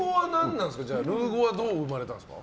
ルー語はどう生まれたんですか。